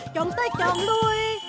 chọn tới chọn lui